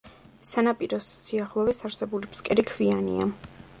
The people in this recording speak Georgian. სანაპიროს სიახლოვეს არსებული ფსკერი ქვიანია.